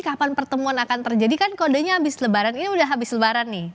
kapan pertemuan akan terjadi kan kodenya habis lebaran ini udah habis lebaran nih